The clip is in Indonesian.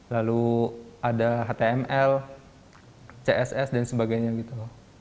lalu ada html css dan sebagainya gitu